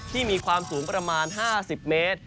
มีความสูงประมาณ๕๐เมตร